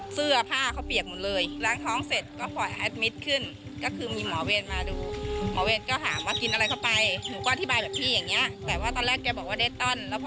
เสื้อผ้าเขาเปียกหมดเลยล้างท้องเสร็จก็ถ่อยติดงานขึ้น